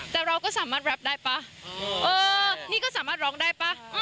แต่เราก็สามารถแรปได้ป่ะเออนี่ก็สามารถร้องได้ป่ะ